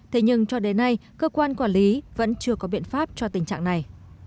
thế nhưng cho đến nay cơ quan quản lý vẫn chưa có biện pháp cho tình trạng này